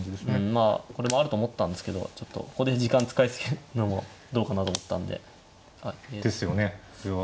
まあこれもあると思ったんですけどちょっとここで時間使い過ぎるのもどうかなと思ったんで。ですよねそれは。